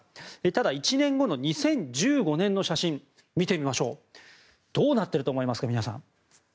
ただ、１年後の２０１５年の写真を見てみますとこうなっているんです。